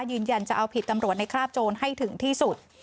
ยืนยันจะเอาผิดตำรวจในคราบโจรให้ถึงที่สุด